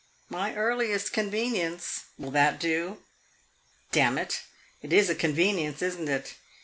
My earliest convenience will that do? Damn it, it is a convenience, is n't it?